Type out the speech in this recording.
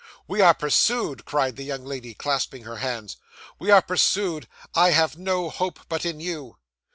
'"We are pursued!" cried the young lady, clasping her hands. "We are pursued. I have no hope but in you!"